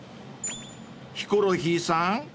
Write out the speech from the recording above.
［ヒコロヒーさん